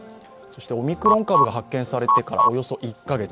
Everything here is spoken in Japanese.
オミクロン株が発見されてからおよそ１カ月。